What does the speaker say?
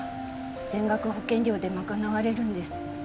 全額保険料でまかなわれるんです